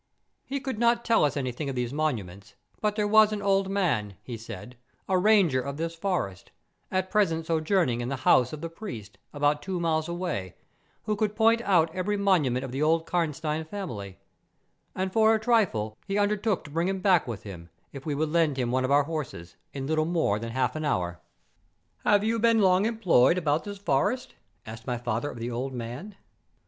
He could not tell us anything of these monuments; but there was an old man, he said, a ranger of this forest, at present sojourning in the house of the priest, about two miles away, who could point out every monument of the old Karnstein family; and, for a trifle, he undertook to bring him back with him, if we would lend him one of our horses, in little more than half an hour. "Have you been long employed about this forest?" asked my father of the old man.